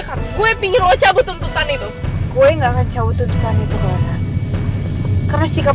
karena gue pingin lo cabut tuntutan itu gue nggak cabut tuntutan itu karena sikap